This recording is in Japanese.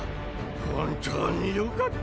本当によかった。